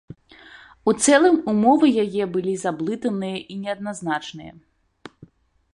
У цэлым, умовы яе былі заблытаныя і неадназначныя.